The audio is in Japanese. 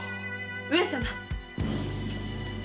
・上様！